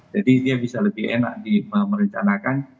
jadi dia bisa lebih enak dimerintahkan